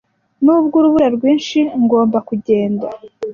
Nubwo urubura rwinshi, ngomba kugenda.